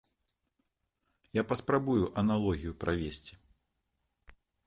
Я паспрабую аналогію правесці.